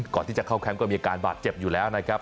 ก่อนที่จะเข้าแคมป์ก็มีอาการบาดเจ็บอยู่แล้วนะครับ